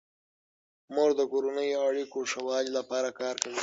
مور د کورنیو اړیکو ښه والي لپاره کار کوي.